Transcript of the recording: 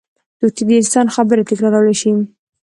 طوطي د انسان خبرې تکرارولی شي